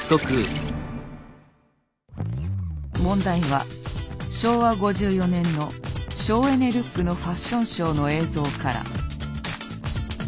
問題は昭和５４年の省エネルックのファッションショーの映像から。